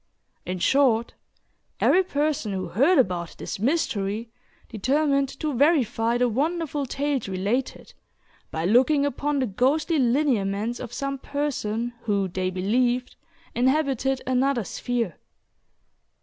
In short, every person who heard about this mystery determined to verify the wonderful tales related, by looking upon the ghostly lineaments of some person, who, they believed, inhabited another sphere.